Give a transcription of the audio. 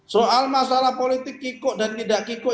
soal masalah politik kikuk dan tidak kikuk